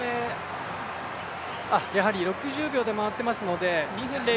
やはり６０秒で回ってますので。